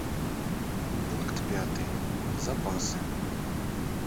Пункт пятый: запасы.